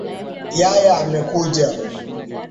yaya amekuja